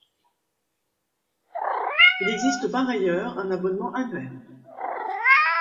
Il existe par ailleurs un abonnement annuel.